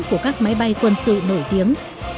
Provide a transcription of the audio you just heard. của các máy bay quân sự nổi tiếng